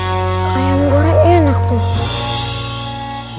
ayam goreng enak tuh